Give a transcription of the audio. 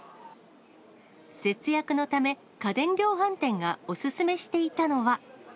節約のため、家電量販店がお勧めしていたのは。